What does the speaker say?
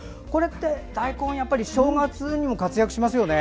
大根って正月にも活躍しますね。